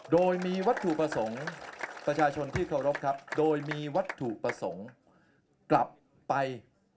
โดยมีวัตถุประสงค์ประชาชนที่เคารพครับโดยมีวัตถุประสงค์กลับไป